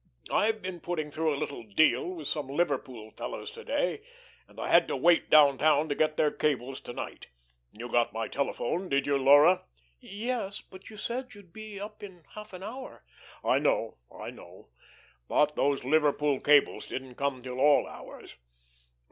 I've been putting through a little deal with some Liverpool fellows to day, and I had to wait down town to get their cables to night. You got my telephone, did you, Laura?" "Yes, but you said then you'd be up in half an hour." "I know I know. But those Liverpool cables didn't come till all hours.